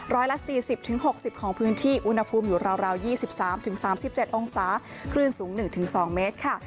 ร้อยละ๔๐๖๐ของพื้นที่อุณหภูมิอยู่ราว๒๓๓๗องศาคลื่นสูง๑๒เมตรค่ะ